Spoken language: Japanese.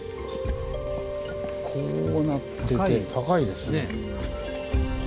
こうなってて高いですね。